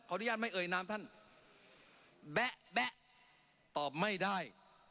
ขออนุญาตไม่เอ่ยน้ำท่านแบ๊ะตอบไม่ได้